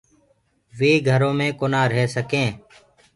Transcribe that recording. وي گھرو مي ڪونآ رهي سڪينٚ